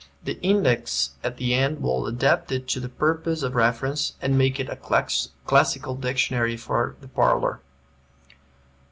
The index at the end will adapt it to the purposes of reference, and make it a Classical Dictionary for the parlor.